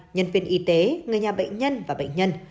nhân viên y tế người nhà bệnh nhân và bệnh nhân